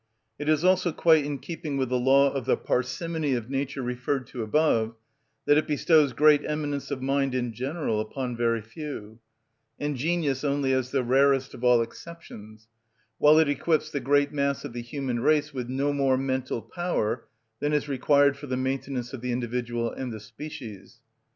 It is also quite in keeping with the law of the parsimony of nature referred to above that it bestows great eminence of mind in general upon very few, and genius only as the rarest of all exceptions, while it equips the great mass of the human race with no more mental power than is required for the maintenance of the individual and the species.